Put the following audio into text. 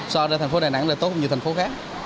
so với thành phố đà nẵng là tốt như thành phố khác